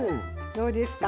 どうですか？